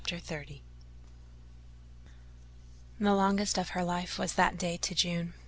XXX The longest of her life was that day to June.